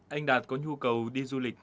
anh đạt có nhu cầu đi du lịch